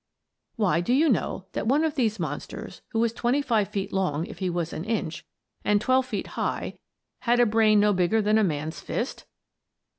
Why, do you know that one of these monsters, who was twenty five feet long if he was an inch, and twelve feet high, had a brain no bigger than a man's fist?